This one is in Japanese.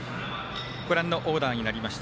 ご覧のオーダーになりました。